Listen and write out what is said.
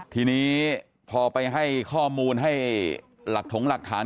ทีนี้พอไปให้ข้อมูลให้หลักถงหลักฐาน